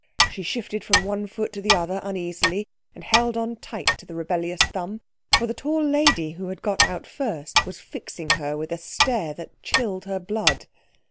She shifted from one foot to the other uneasily, and held on tight to the rebellious thumb, for the tall lady who had got out first was fixing her with a stare that chilled her blood.